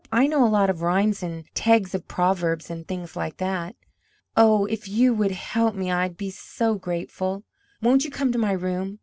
I know a lot of rhymes and tags of proverbs and things like that." "Oh, if you would help me, I'd be so grateful! Won't you come to my room?